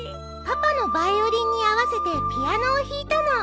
パパのバイオリンに合わせてピアノを弾いたの。